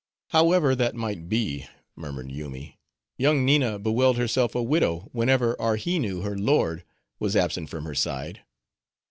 "However that might be," murmured Yoomy, "young Nina bewailed herself a widow, whenever Arhinoo, her lord, was absent from her side."